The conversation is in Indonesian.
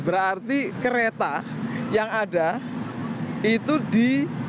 berarti kereta yang ada itu di